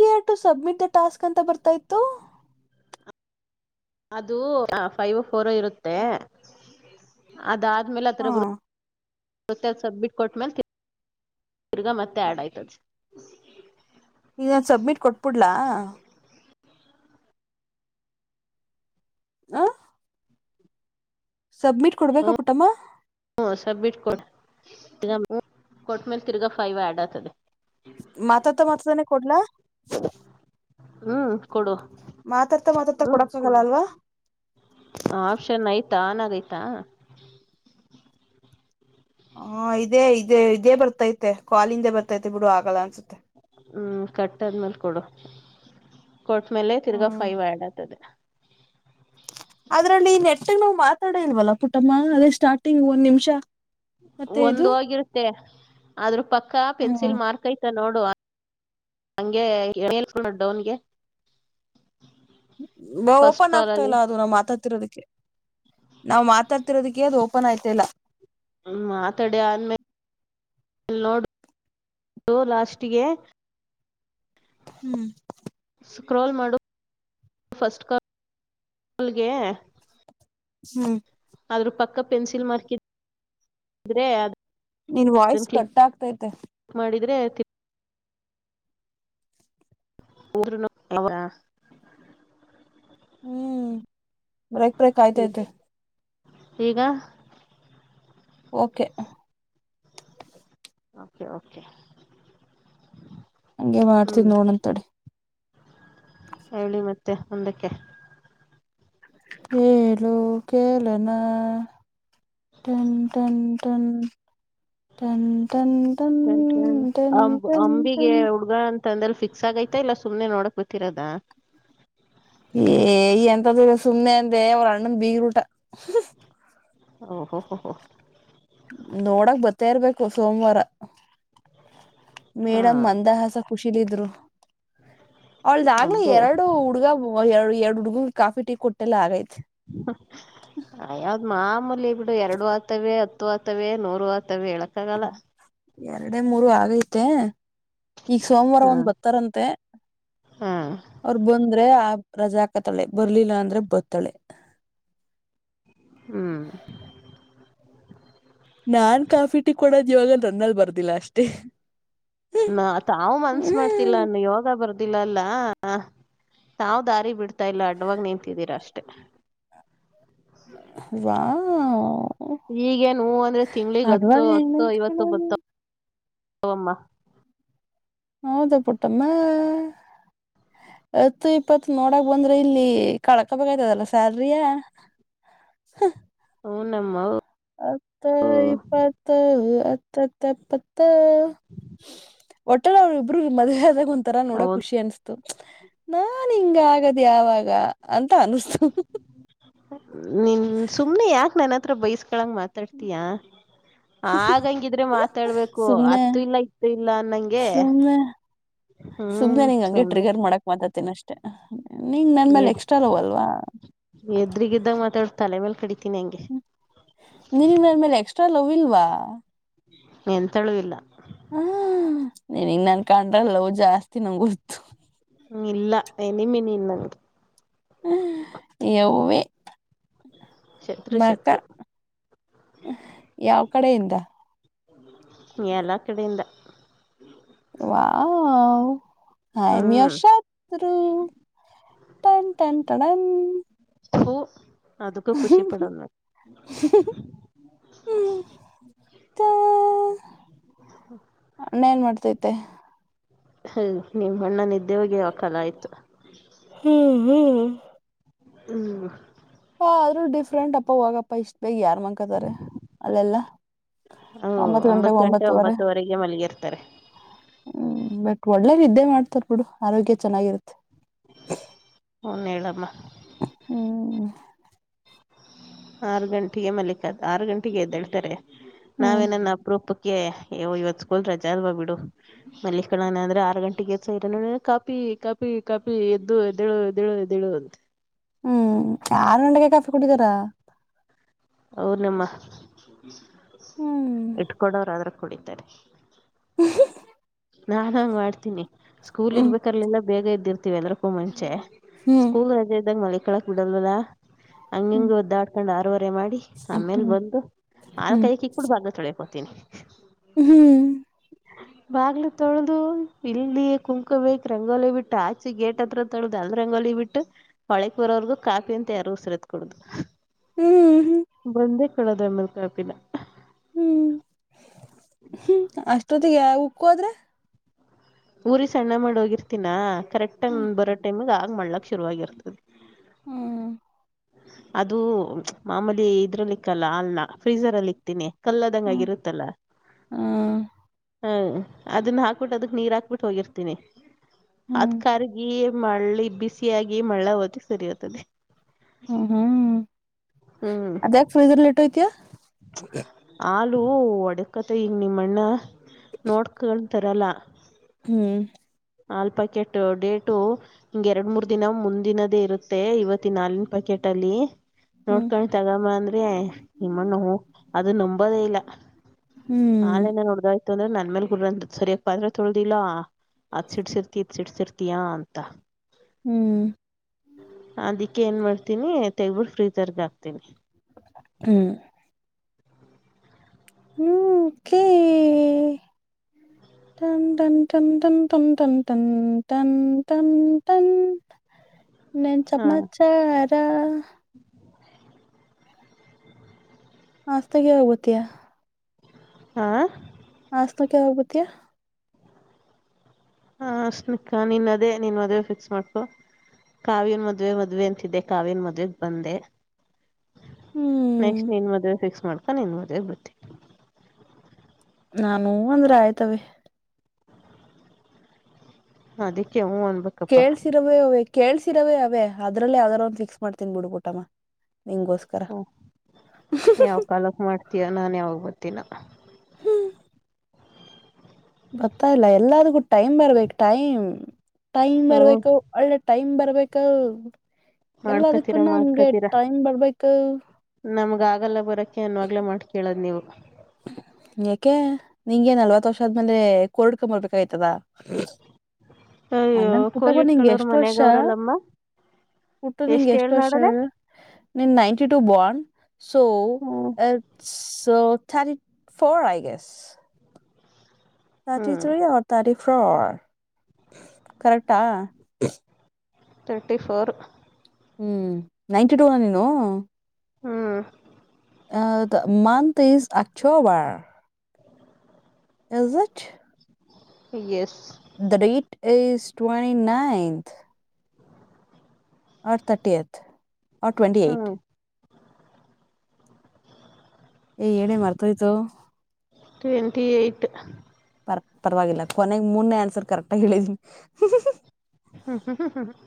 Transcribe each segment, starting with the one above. Here to submit the task ಅಂತ ಬರ್ತಾ ಇತ್ತು ಅದು ಫೈವ್ ಫೋರ್ ಇರುತ್ತೆ. ಅದ ಆದ್ಮೇಲೆ ಹಾ ಆತರ ಸಬ್ಮಿಟ್ ಕೊಟ್ಟ್ಮೇಲೆ ತಿರ್ಗ ಮತ್ತೆ ಆಡ್ ಆಯ್ತದ. ಈಗದ ಸಬ್ಮಿಟ್ ಕೊಟ್ಬಿಡ್ಲಾ ಹ [inaudible] ಸಬ್ಮಿಟ್ ಕೊಡ್ಬೇಕ ಪುಟಮ್ಮ. ಹ್ಮ, ಸಬ್ಮಿಟ್ ಕೊಗ ಕೊಟ್ಟ್ಮೇಲೆ ತಿರ್ಗಾ ಫೈವ್ ಆಡ್ ಆತದೆ. ಮಾತಾಡ್ತಾ ಮಾತಡ್ತಾನೆ ಕೊಡ್ಲಾ- ಹ್ಮ್, ಕೊಡು- ಮಾತಾಡ್ತ ಮಾತಾಡ್ತ ಕೊಡಕ್ಕೋಗಲ್ಲ [unintelligible] ಅಲ್ವಾ ಆಪ್ಷ್ಸನ್ ಆಯ್ತಾ ಆನ್ಗೈತಾ- ಹಾ, ಇದೇ ಇದೇ ಇದೇ ಬರ್ತೈತೆ ಕಾಲಿಂಗ್ದ ಬರ್ತೈತೆ ಬಿಡು ಆಗಲ್ಲ ಅನ್ಸುತ್ತೆ. ಹ್ಮ್, ಕಟ್ಟಾದ್ಮೇಲೆ ಕೊಡು ಕೊಟ್ಮೇಲೆ ತಿರ್ಗಾ ಹ್ಮ್ ಫೈವ್ ಆ್ಯಡ್ ಆಗತದೆ. ಅದ್ರಲ್ಲಿ ನೆಟ್ಟಗ್ ನಾವ್ ಮಾತಾಡೆ ಇಲ್ವಲ್ಲ ಪುಟಮ್ಮ. ಅದೇ ಸ್ಟಾರ್ಟಿಂಗ್ ಒಂದ್ ನಿಮಿಷ ಮತ್ತೆ ಒಂದ ಇದು ಹೋಗಿರುತ್ತೆ ಆದ್ರ ಪಕ್ಕಾ ಪೆನ್ಸಿಲ್ ಹ್ಮ್ ಮಾರ್ಕ್ ಐತ ನೋಡು ಹಂಗೆೇಳ್ ಡೌನ್ಗೆ [unintelligible] ಫಸ್ಟ್ ಓಪನ್ ಕಾಲ್ ಆಗ್ತಾ ಅಲ್ಲಿ ಇಲ್ಲ ಅದು ನಾವ್ ಮಾತಾಡ್ತಿರೋದಿಕ್ಕೆ. ನಾವ್ ಮಾತಾಡ್ತಿರೋದಿಕ್ಕೆ ಅದು ಓಪನ್ ಆಯ್ತಲ್ಲಾ. ಹ್ಮ್, ಮಾತಡಿ ಆದ್ಮೇಲೆ ನೋಡು ಲಾಸ್ಟ್ಗೆ [unintelligible] ಹ್ಮ್, ಸ್ಕ್ರೊಲ್ ಮಾಡು ಫಸ್ಟ್ ಕಾಲ್ ಕಾಲ್ಗೆ ಹ್ಮ್, ಅದ್ರ ಪಕ್ಕ ಪೆನ್ಸಿಲ್ ಮಾರ್ಕ್ಇದ್ರೆ ನಿನ್ ವಾಯ್ಸ್ ಕಟ್ ಆಗ್ತೈತೆ. ಮಾಡಿದ್ರೆ [unintelligible] ಊರನ್ನು ಯರ [inaudible] ಹ್ಮ್ ಬ್ರೇಕ್ ಬ್ರೇಕ್ ಆಯ್ತೈತೆ. ಈಗ. Okay okay okay. ಹಂಗೆ ಹ್ಮ್ ಮಾಡ್ತೀನಿ ನೋಡನ ತಡಿ. ಹೇಳಿ ಮತ್ತೆ ಮುಂದಕ್ಕೆ. ಹೇಳು ಕೇಳನಾ. ಟನ್ ಟನ್ ಟನ್. ಟನ್ ಟನ್ ಟನ್ ಟನ್ ಟನ್ ಟನ್ ಹುಡುಗ ಅಂತ್ ಅಂದಲ್ ಫಿಕ್ಸ್ ಆಗೈತಾ ಇಲ್ಲ ಸುಮ್ನೆ ನೋಡಕ್ ಬಿಟ್ಟಿರದ. ಏಯ ಎಂತದೂ ಇಲ್ಲ ಸುಮ್ನೆ ಅಂದೆ ಅವ್ರ ಅಣ್ಣನ್ ಬೀಗರುೂಟ. ಓ ಹೋ ಹೋ ನೋಡಕ್ ಬರ್ತಾ ಇರ್ಬೇಕು ಸೋಮವಾರ ಹಾ ಮೇಡಮ್ ಮಂದಾಹಾಸ ಖುಷಿಲ್ ಇದ್ರು ಅವಳ್ದ ಆಗ್ಲೆ ಅಬ್ಬೋ ಎರಡು ಹುಡ್ಗ ಓ ಎರಡು ಎರಡು ಹುಡುಗುಗು ಕಾಫಿ ಟೀ ಕೊಟ್ಟೆಲ್ಲ ಆಗೈತ ಹ ಐಯ್ಯ ಅದ್ ಮಾಮೂಲಿ ಬಿಡು ಎರಡು ಆತವೆ ಹತ್ತು ಆತವೆ ನೂರು ಆತವೆ ಹೇಳಕ ಆಗಲ್ಲ. ಎರಡೆ ಮೂರು ಆಗೈತೆ ಈಗ ಸೋಮವಾರ ಹಾ ಒಂದ್ ಬತ್ತಾರಂತೆ. ಹಾ ಅವ್ರ ಬಂದ್ರೆ ಆ ರಜಾ ಹಕತಾಳೆ ಬರ್ಲಿಲ್ಲ ಅಂದ್ರೆ ಬತ್ತಾಳೆ. ಹ್ಮ್ ನಾನ್ ಕಾಫಿ ಟಿ ಕೊಡೋದ ಯೋಗಾ ನನ್ನಲ್ ಬರ್ದಿಲ್ಲ ಅಷ್ಟೇ. ನ ತಾವು ಮನ್ಸ್ ಮಾಡ್ತಿಲ್ಲಾ ಅನ್ನು ಯೋಗ ಬರ್ದು ತಿಲ್ಲಲ್ಲ ತಾವ್ ದಾರಿ ಬಿಡ್ತಾ ಇಲ್ಲ ಅಡ್ಡವಾಗ ನಿಂತಿದ್ದೀರಾ ಅಷ್ಟೇ. ವಾಂವ್. ಈಗೆನ ಹ್ಮ್ ಅಂದ್ರೆ ತಿಂಗಳಿಗ್ ಹತ್ತು ಹತ್ತು ಐವತ್ತೊ ಅಡ್ವಾಂಟೇಜ್ ಬತ್ತವಮ್ಮ. ಹೌದಾ ಪುಟ್ಟಮ್ಮ. ಹತ್ತು ಇಪ್ಪತ್ ನೋಡಕ್ ಬಂದ್ರೆ ಇಲ್ಲಿ ಕಳ್ಕಬೇಕಯ್ತದಲ್ಲ ಸ್ಯಲ್ರಿಯ. ಹ ಹ್ಮ್ ನಮ್ಮೋ. ಹತ್ತೋ ಇಪ್ಪತ್ತೋ ಹತ್ತತ್ತ ಎಪ್ಪತ್ತೋ. ಒಟ್ಟೆಲ ಅವ್ರ ಇಬ್ರು ಮದ್ವೆ ಆದಾಗ ಒಂತರ ನೋಡಕ ಹೌದು ಖುಷಿ ಅನ್ಸ್ತ ತು ನಾನ್ ಹಿಂಗ ಆಗದ ಯಾವಾಗ ಅಂತ ಅನಸ್ತು ನಿನ್ ಸುಮ್ನೆ ಯಾಕ ನನ್ನತ್ರ ಬೈಸ್ಕಳಂಗ ಮಾತಾಡ್ತೀಯಾ. ಆಗಂಗಿದ್ರೆ ಮಾತಾಡ್ಬೇಕು ಸುಮ್ನೆ ಅತ್ತು ಇಲ್ಲ ಇತ್ತು ಇಲ್ಲ ಅನ್ನಂಗೆ. ಸುಮ್ನೆ ಹ್ಮ್ ಚಲೋನೆ. ಮಾತಾಡ್ತೀನ ಅಷ್ಟೇ ನೀಂಗ ನನ್ ಮೇಲೆ ಎಕ್ಸ್ಟ್ರಾ ಲವ್ ಅಲ್ವಾ. ಏದ್ರಿಗ್ ಇದ್ದಾಗ ಮಾತಾಡ ತಲೆ ಮೇಲೆ ಕಡಿತೀನಿ ಹಂಗೆ. ನಿನ್ ನಮ್ಮೆಲ್ ಎಕ್ಸ್ಟ್ರಾ ಲವ್ ಇಲ್ವಾ. ಎಂತಳು ಇಲ್ಲಾ. ಹ್ಮ ನಿನಿಗ್ ನನ್ ಕಂಡ್ರೆ ಲವ್ ಜಾಸ್ತಿ ನಂಗ ಗೊತ್ತು. ಹ್ಮ ಇಲ್ಲ ಎನಿಮಿ ನಿ ನಂಗೆ. ಹ ಯವ್ವಿ. ಶತ್ರು ಮಕ್ಕ ಶತ್ರು ಯಾವ ಕಡೆಯಿಂದ. ಎಲ್ಲ ಕಡೆಯಿಂದ. ವಾವ್. ಆಯಾಮ ಹ್ಮ್ ಯುವರ್ ಶತ್ರು ಟನ್ಟನ್ಟಣನ್ ತೂ ಅದುಕ್ಕ ಕಖುಷಿ ಪಡಂಗ [unintelligible] ಅಣ್ಣೇನ್ ಮಾಡ್ತೈತೆ ಹ್ಮ ನಿಮ್ ಅಣ್ಣ ನಿದ್ದೆ ಹೋಗಿ ಯಾವ ಕಾಲ ಆಯ್ತು ಹ್ಮ್ ಹ್ಮ್ ಹ್ಮ್ ಹಾ ಆದ್ರೂ ಡಿಫ್ರೆಂಟ್ ಅಪ್ಪ ಹಾಗಪ್ಪ ಇಷ್ಟ್ ಬೇಗ ಯಾರ್ ಮಕತಾರೆ ಅದೇಲ್ಲಾ ಹ ಒಂಬತ್ತು ಗಂಟೆ ಒಂಬತ್ತುವರೆಗೆ ಮಲಗಿರ್ತಾರೆ ಹ್ಮ್ ಬಟ್ ಒಳ್ಳೆ ನಿದ್ದೆ ಮಾಡ್ತಾರ್ ಬಿಡು ಆರೋಗ್ಯ ಚೆನ್ನಾಗಿರುತ್ತೆ ಹನ್ ಹೇಳಮ್ಮ ಹ್ಮ್ ಆರು ಗಂಟೆಗೆ ಮಲಿಕ ಆರು ಗಂಟೆಗೆ ಎದ್ದೇಳ್ತಾರೆ ಹ್ಮ್ ನಾವೇನನ್ನ ಅಪೂರುಪಕ ಅ ಇವತ್ ಸ್ಕೂಲ್ ರಜಾ ಅಲ್ವಾ ಬಿಡು ಮಲ್ಲಿಕಣನ ಅಂದ್ರೆ ಆರು ಗಂಟೆಗೆ ಎದ್ದು ಕಾಫಿ ಕಾಫಿ ಕಾಪಿ ಎದ್ದು ಎದ್ದೆಳು ಎದ್ದೆಳು ಎದ್ದೇಳು ಅಂತ ಹ್ಮ್ ಆರ್ ಗಂಟೆಗೆ ಕಾಫಿ ಕುಡಿದಾರಾ ಅವರು ನಿಮ್ಮ ಹ್ಮ್ ಇಟ್ಕೊಂಡವರು ಆದ್ರ ಕುಡಿತಾರೆ ಹ್ಮ ನಾನ್ ಹಂಗ ಮಾಡ್ತೀನಿ ಸ್ಕೂಲ್ ಹ್ಮ್ ಇರ್ಬೇಕ್ರೆಲ್ಲ ಬೇಗ ಘದ್ದಿರ್ತಿವಿ ಅಲ್ರಕ್ಕೂ ಮುಂಚೆ ಹ್ಮ್ ಸ್ಕೂಲ್ ರಜೆ ಇದ್ದಂಗ ಮಲಕೋಳಾಕ್ ಬಿಡಲ್ವಲ್ಲ ಹಂಗ ಹಿಂಗ ಹ್ಮ್ ಒದ್ದಾಡ್ಕೊಂಡ್ ಆರವರೆ ಮಾಡಿ ಆಮೇಲ್ ಹ್ಮ್ ಬಂದು ಹಾಲ ಹ್ಮ್ ಕಾಯ ಕಿ ಕುಡ್ ಭಾಗ ತಳಿಕೋತೀನಿ ಹ್ಮ್ ಬಾಗ್ಲು ತೊಳೆದು ಇಲ್ಲಿಯೇ ಕುಂಕೋ ಬೇಕ್ ರಂಗೋಲಿ ಬಿಟ್ಟು ಆಚೆ ಗೇಟ್ ಹತ್ರದ [unintelligible] ರಂಗೋಲಿ ಬಿಟ್ಟು ಹೊಳೆಕ್ ಬರೋವರ್ಗೂ ಕಾಫಿ ಅಂತ ಯಾರು ಉಸರ ತ್ ಕೊಡುದು ಹ್ಮ್ ಹ್ಮ ಬಂದೇ ಕಳೋದ್ ಆಮೇಲೆ ಕಾಪಿನಾ ಹ್ಮ್ ಹ್ಮ್ ಅಷ್ಟೊತ್ತಿಗೆ ಉಕ್ಕು ಹೋದ್ರೆ ಊರಿ ಸಣ್ಣ ಮಾಡ ಹೋಗಿರ್ತೀನ ಕರೆಕ್ಟ್ ಟೈಮ್ ಹ್ಮ್ ಬರೋ ಟೈಮಗ್ ಆಗ ಮಾಡ್ಲಕ್ ಶುರು ಆಗರ್ತದೆ ಹ್ಮ ಅದು ಮಾಮೂಲಿ ಇದ್ರಲ್ಲಿ ಇಕ್ಕಲ್ಲ ಅಲ್ನ ಫ್ರೀಸರ್ ಅಲ್ಲಿ ಇಕ್ತೀನಿ ಕಲ್ಲ ಆದಂಗ ಹ್ಮ್ ಆಗಿರತ್ತಲ್ಲ ಹ್ಮ್ ಹಾ ಅದನ್ನ ಹಾಕ್ಬಿಟ್ಟು ಅದಕ್ ನೀರ್ ಹಾಕ್ಬಿಟ್ಟು ಹೋಗಿರ್ತೀನಿ ಅದ್ ಹ್ಮ್ ಕರ್ಗಿ ಮಳ್ಳಿ ಬಿಸಿಯಾಗಿ ಮಳ್ಳ ಹತ ಸರಿಯ್ತದೆ ಹ್ಮ್ ಹ್ಮ್ ಹ್ಮ್ ಅದ್ಯಾಕ ಫ್ರೀಜ್ರರ ಲೇ ಇಟ್ ಹೊತಿಯಾ ಹಾಲು ಒಡಕತ ಹಿಗ ನಿಮ್ಮಣ್ಣ ನೋಡ್ಕೊಂಡ ತರಲ್ಲ ಹ್ಮ್ ಹಾಲ್ ಪಾಕೆಟ್ಟು ಡೇಟು ಹಿಂಗ ಎರಡ್ ಮೂರ್ ದಿನ ಮುಂದಿನದೇ ಇರುತ್ತೆ ಇವತ್ತ ಹಾಲಿನ್ ಪ್ಯಾಕೆಟ್ ಅಲ್ಲಿ ಹ್ಮ್ ನೋಡ್ಕೊಂಡಿ ತಗಮ್ಮಬಾ ಅಂದ್ರೆ ನಿಮ್ಮನ್ನು ಅದು ನಂಬೋದೇ ಇಲ್ಲ ಹ್ಮ್ ಹಾಲೆಮರೆ ಒಡೆದು ಹೋಯ್ತು ಅಂದ್ರೆ ನನ್ ಮೇಲ್ ಗುರ್ ಅಂತ ಸರಿಯಾಗಿ ಪಾತ್ರೆ ತೊಳ್ದಿಲ್ಲಾ ಅದ ಸಿಡ್ಸಿರ್ತಿ ಇದ ಸಿಡ್ಸಿರ್ತಯಾ ಅಂತ ಹ್ಮ್ ಅದಿಕ್ಕೆ ಏನ್ ಮಾಡ್ತೀನಿ ತೆಗಬಿಟ್ಟ ಫ್ರೀಜರ್ ಗೆ ಹಾಕ್ತೀನಿ ಹ್ಮ್ ಯು ಕೆ ಹ್ಮ್ [inaudible] ತ ದಮ ತ ತಂ ತ ತಮ ತ ತಂ ತಂ ತನ್ [unintelligible] ನೇನ್ ಹಾ ಚಮಾಚಾರಾ [unintelligible] ಹ [unintelligible] ಸ್ತಗೆ ಹೋಗತಯಾ ಹಾ [inaudible] ಹಾಸ್ಟೆಲ್ ಗೆ ಯಾವಾಗ ಬರ್ತಿಯಾ ಹಾಸ್ಟಲ್ಕಾ ನೀನ್ ಅದೇ ನೀನ್ ಮದ್ವೆ ಫಿಕ್ಸ್ ಮಾಡ್ಕೊ. ಕಾವ್ಯನ್ ಮದ್ವೆ ಮದ್ವೆ ಅಂತಿದ್ದೆ ಕಾವ್ಯನ್ ಮದ್ವೆಗ್ ಬಂದೆ. ಹ್ಮ್ ನೆಕ್ಸ್ಟ್ ನಿನ್ ಮದ್ವೆ ಫಿಕ್ಸ್ ಮಾಡ್ಕಾ ನಿನ್ ಮದ್ವೆಗ್ ಬರ್ತೀನಿ. ನಾನ್ ಹೂ ಅಂದ್ರೆ ಆಯ್ತವೆ. ಅದಿಕ್ಕೆ ಹೂ ಅನ್ ಕೇಳ್ಸಿರೋ ಅವ ಕೇಳಿಸಿರವೇ ಅವೇ ಅದ್ರಲ್ಲಿ ಯಾವದಾರ ಒಂದು ಫಿಕ್ಸ್ ಮಾಡ್ತೀನಿ ಬಿಡು ಪುಟ್ಟಮ್ಮ ನಿಂಗಗೋಸ್ಕರ. ಹ್ಮ, ಯಾವಗ ಪಾಲಪ್ಮಾಡ್ತೀಯ ನಾನ್ ಯಾವಾಗ ಬರ್ತೀನೋ. ಹ್ಮ್. [inaudible] ಗೊತ್ತಾ [unintelligible] ಇಲ್ಲ ಎಲ್ಲಾದಕು ಟೈಮ್ ಬರ್ಬೇಕು ಟೈಮ್, ಟೈಮ್ ಹ್ಮ ಬರ್ಬೇಕು ಒಳ್ಳೆ ಟೈಮ್ ಬರ್ಬೇಕು ಮಾಡ್ಕೊತೀರಾ ಎಲ್ಲಾದಕ್ಕುನಮ್ಗೆ ಮಾಡ್ಕೊತೀರಾ ಟೈಮ್ ಬರ್ಬೇಕು. ನಮ್ಗ ಆಗಲ್ಲ ಬರಕೆ ಅನ್ವಾಗ್ಲೆ ಮಾತ್ ಕೇಳದ್ ನೀವು. ಯಾಕೆ ನಿಂಗೆ ನಲ್ವತ್ ವರ್ಷ ಆದ್ಮೇಲೆ ಕೋರ್ಡ್ಕಕಂಬರ್ಬೇಕಾಯ್ತದ. ಅಯ್ಯೋ ಅಂದಂಗ ಕೋಲ್ ಪುಟ್ಟವ ನಿಂಗೆ ಇಟ್ಕೊಳ್ಳೋರು ಎಷ್ಟು ಮನ್ಯಾಗ ವರ್ಷ ಅವ್ರಲ್ಲಮ್ಮ ಪುಟ್ಟು ನಿಂಋ ಎಷ್ಟ್ ಎಷ್ಟು ವರ್ಷ ನೋಡದ ಹೇಳ್ ನೀನ್ ನೈನ್ಟು ಬಾಂಡ್ so hmm ರ್್ಟಿ four I gas [unintelligible] thirty hmm ತ್ರಿಅರ್, thirty four ಕರೆಕ್ಟಾ ತರ್ಟಿ ಫೋರ್ ಹ್ಮ್, ನೈಂಟಿಟೂನ ನೀನು ಹ್ಮ್, month is October is it S the date is twenty ninth. R thirty eight R twenty eight ಹ್ಮ್ ಹೇ ಏನೇ ಮರ್ತೋಯ್ತು ಟ್ವೆಂಟಿ ಏಯ್ಟ ಪರ್ ಪರವಾಗಿಲ್ಲ ಕೊನೆಗೆ ಮೂರ್ನೇ answer ಕರೆಕ್ಟಾಗಿ ಹೇಳಿದೀನಿ. ಹ್ಮ್ ಹ್ಮ ಹ ಹ. [inaudible]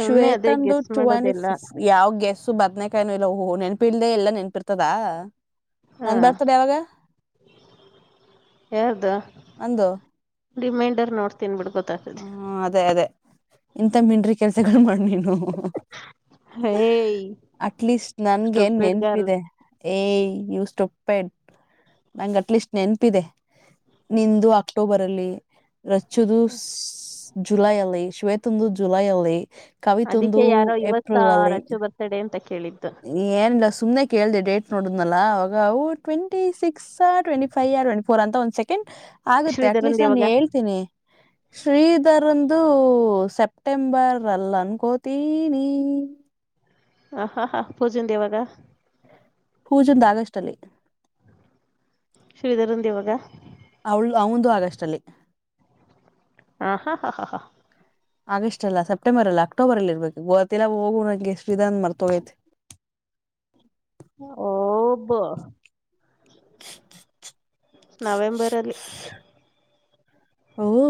ಶ್ವೇತಂದು ಟ್ವೆಂಟಿ ಫಿಫ್ ಯಾವ್ ಗೆಸು ಬದನೇಕಾಯನು ಇಲ್ಲ ಹೊ, ಹೊ, ಹೊ ನೆನಪಿಲ್ದೆ ಎಲ್ಲಾ ನೆನ್ಪಿರ್ತದ. ಹಾ ನನ್ ಬರ್ತಡೇ ಯಾವಾಗ? ಯಾರ್ದು ನಂದು. ರಿಮೈಂಡರ್ ನೋಡ್ತೀನಿ ಬಿಡ್ಕೊತ್ತ ಹ್ಮ, ಅದೇ -ಅದೇ ಇಂತ ಮಿಂಡ್ರಿ ಕೆಲ್ಸಗಳು ಮಾಡು ನೀನು. ಹೇಯ್ ಅಟ್ಲೀಸ್ಟ್ ನಂಗೆ ಸ್ಟುಪಿಡ್ ಗರ್ಲ್ ನೆನಪಿದೆ. ಏಯ್ ಯೂ ಸ್ಟುಪಿಡ್ ನಂಗ್ ಅಟ್ಲೀಸ್ಟ್ ನೆನಪಿದೆ ನಿಂದು ಅಕ್ಟೋಬರ್ ಅಲ್ಲಿ ರಚ್ಚುದು ಜುಲೈ ಅಲ್ಲಿ, ಶ್ವೇತುಂದು ಜುಲೈ ಅಲ್ಲಿ. ಕವಿತಂದು ಅದಕ್ಕೆ ಯಾರೋ ಇವತ್ತ ಏಪ್ರಿಲ್ ಅಲ್ಲಿ ಅಯ್ತೆ [unintelligible] ಅಂತ ಕೇಳಿದ್ದು. ಏನಿಲ್ಲ ಸುಮ್ನೆ ಕೇಳಿದೆ ಡೇಟ್ ನೋಡಿದ್ನಲ್ಲ ಅವಾಗ ಅವು twenty six. Twenty five twenty four ಅಂತ ಒಂದ್ ಸೆಕೆಂಡ್ ಆಗುತ್ತೆ ಶ್ರೀಧರನ್ ಅಟ್ಲೀಸ್ಟ್ ನಾನ ಯಾವಾಗ ಹೇಳ್ತಿನಿ. [inaudible] ಶ್ರೀಧರಂದು ಸೆಪ್ಟೆಂಬರ್ ಅಲ್ಲ ಅನ್ಕೋತಿನಿ. ಹ ಹಾ ಹಾ ಪೂಜಾದು ಯಾವಾಗ. ಪೂಜಂದ್ ಆಗಸ್ಟ್ ಅಲ್ಲಿ ಅಯ್ತೆ. ಶ್ರೀಧರಂದು ಯಾವಾಗ.. ಅವಳು ಅವಂದು ಆಗಸ್ಟ್ ಅಲ್ಲಿ. ಹಾ ಹಾ ಹಾ ಹಾ ಹಾ. ಆಗಸ್ಟ್ ಅಲ್ಲ ಸೆಪ್ಟೆಂಬರ್ ಅಲ್ಲ ಅಕ್ಟೋಬರಲ್ಲಿ ಇರ್ಬೇಕು ಗೊತಿಲ್ಲಾ ಹೋಗು ನಂಗೆ ಶ್ರೀಧರಂದು ಮರ್ತೋಗೈತೆ. ಓಪ ನವೆಂಬರ್ ಅಲ್ಲಿ. ಓಹೋ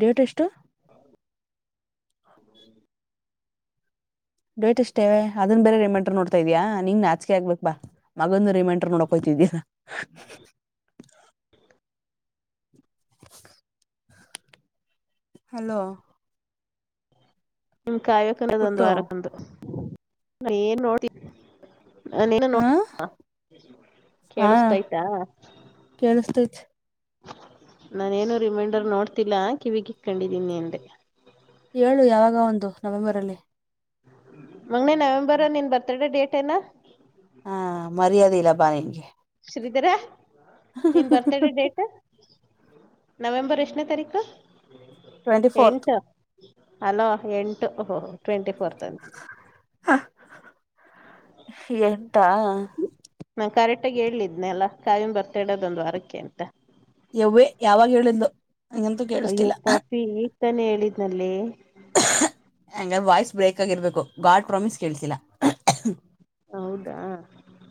ಡೇಟ್ ಎಷ್ಟು. ಡೇಟ್ ಅಷ್ಟೇ ಅದನ್ ಬೇರೆ ರೇಮಂಡರ್ ನೋಡ್ತಾಯಿದಿಯ ನೀನ್ಗೆ ನಾಚಿಕೆ ಆಗಬೇಕು ಬಾ. ಮಗಂದು ರಿಮೈಂಡರ್ ಮಾಡೋಕ್ ಹೋಗ್ತಿದೀಯಾ. ಹಲೋ ನಿಮ ಕಾವ್ಯಕನ್ನದ ಪುಟ್ಟು ಒಂದುವಾರಕ್ಕಂದು ನಾ ಏನ್ ನೋಡ್ತ. ನಾ ನೀನ ಹಾ ನೋಡ್ತ ಕೇಳಿಸತೈತ. ಕೇಳಿಸ್ಟೈತೆ ನಾನೇನು ರಿಮೈಂಡರ್ ನೋಡ್ತಿಲ್ಲ ಕಿವಿಗಿ ಇಟ್ಟುಕೊಂಡಿದೀನಿ ಅಂದೆ. ಹೇಳು ಯಾವಾಗ ಅವಂದು ನವೆಂಬರ್ ಅಲ್ಲಿ. ಮಗನೇ ನವೆಂಬರ್ ನಿನ್ ಬರ್ತ್ಡ ಡೇಟ್ ಏನ. ಹಾ ಮರ್ಯಾದೆ ಇಲ್ಲ ಬಾ ನಿನ್ಗೆ. ಶ್ರೀಧರ ನೀನ್ ಬರ್ತಡೇ ಡೇಟ್. ನವೆಂಬರ್ ಎಷ್ಟನೇ ತಾರೀಕು ಟ್ವೆಂಟಿ ಫೋರ್ತ್ ಎಂಟು. ಹಲೋ ಎಂಟು ಟ್ವೆಂಟಿ ಫೋರ್ತ್ ಅಂತೆ. ಹ ಎಂಟ. ನಾನ್ ಕರೆಕ್ಟಾಗಿ ಹೇಳ್ಲಿದ್ನೆನಲ್ಲ ಕಾವ್ಯದು ಬರ್ತ್ಡೇ ಅದ ಒಂದು ವಾರಕ್ಕೆ ಅಂತ. ಯವೇ ಯಾವಾಗ ಹೇಳಿದು ಹಂಗಂತೂ ಕೇಳಿಸ್ತಿಲ್ಲ. ಈಗಾ ತಾನೇ ಹೇಳಿದ್ನಲ್ಲಿ. ಹಂಗದ್ರೆ ವಾಯ್ಸ್ ಬ್ರೇಕ್ ಆಗಿರ್ಬೇಕು ಗಾಡ್ ಪ್ರಾಮಿಸ್ ಕೇಳ್ತಿಲ್ಲಾ. ಹೌದಾ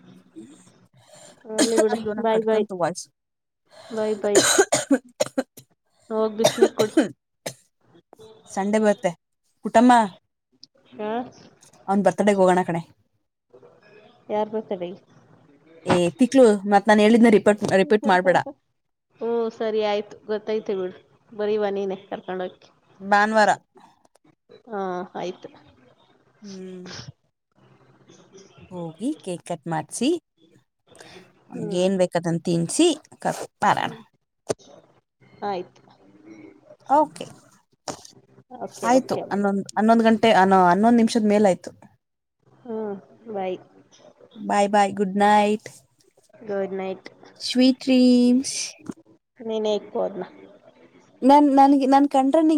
[inaudible] ಅಲ್ಲಿ ಬಿಡು ಅಯ್ಯೋ ನನಗೆ ಬಾಯ್ ಬಾಯ್ ಕಟ್ಟಿಕೊಂತು ವಾಯ್ಸ್. ಹೋಗಿ ಬಿಸಿ ನೀರ್ ಕುಡಿ ಸಂಡೆ ಬರುತ್ತೆ ಪುಟ್ಟಮ್ಮ. ಹಾ ಅವ್ನ್ ಬರ್ತಡೇಗ್ ಹೋಗೋಣ ಕಣೆ ಯಾರ್ ಬರ್ತ್ಡೇ. ಏ್ ತಿಕ್ಲು ಮತ್ ನಾನ್ ಹೇಳಿದ್ನ ರಿಪೀಟ್ ಮಾಡ್ಬೇಡ. ಹ್ಮ್ ಸರಿ ಆಯ್ತು ಗೊತ್ತೈತೆ ಬಿಡು ಬರಿವಾ ನೀನೆೇ ಕರ್ಕೊಂಗಿ ಭಾನುವಾರ ಹಾ ಆಯ್ತು. ಹ್ಮ್ ಹೋಗಿ ಕೇಕ್ ಕಟ್ ಮಾಡ್ಸಿ ಹ್ಞೂ ಅವ್ನಿಗೆ ಏನ್ ಬೇಕು ಅದ್ನ ತಿನಿಸಿ. ಹ್ಮ್ ಆಯ್ತು. ಕೆ ಓಕೆ ಆಯ್ತು ಓಕೆ ಮೇಡಮ್ ಹನ್ನೊಂದು. ಹನ್ನೊಂದ ಗಂಟೆ ಅನೋ ಹನ್ನೊಂದು ನಿಮಿಷದ ಮೇಲೆ ಆಯಿತು. [inaudible] ಹೂ bye [inaudible] bye bye good night. [inaudible] Good night sweet dreams ನೀನ ಈಗ ಪೋನ್ ಮಾಡ [inaudible] ಮ್ಯಾಮ್ ನನಗೆ ನನ್ನ ಕಂಡರೆ ನಿಂಗ [inaudible]